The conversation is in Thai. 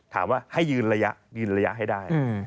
ถามว่าให้ยืนระยะยืนระยะให้ได้